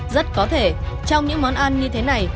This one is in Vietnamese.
rất có thể trong những món ăn như thế này